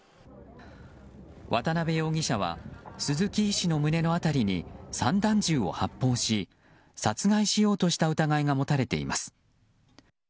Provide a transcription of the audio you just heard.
渡辺容疑者は鈴木医師の胸の辺りに散弾銃を発砲し殺害しようとした疑いが持たれています。